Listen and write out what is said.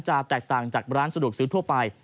แตกต่างจากร้านสะดวกซื้อทั่วไป